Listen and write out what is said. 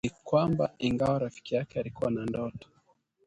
ni kwamba ingawa rafiki yake alikuwa na ndoto